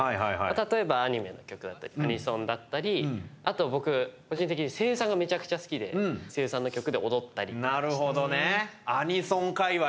例えば、アニメの曲だったりアニソンだったりあと僕、個人的に声優さんがめちゃくちゃ好きで声優さんの曲で踊ったりとかしてます。